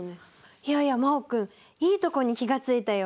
いやいや真旺君いいところに気が付いたよ。